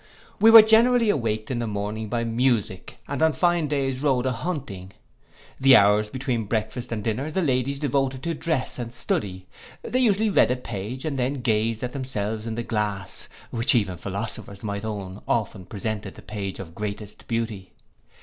We were generally awaked in the morning by music, and on fine days rode a hunting. The hours between breakfast and dinner the ladies devoted to dress and study: they usually read a page, and then gazed at themselves in the glass, which even philosophers might own often presented the page of greatest beauty.